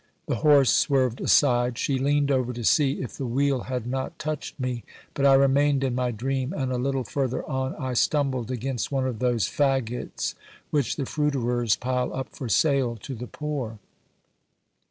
The horse swerved aside. She leaned over to see if the wheel had not touched me, but I remained in my dream, and a little further on I stumbled against one of those faggots which the fruiterers pile up for sale to the poor.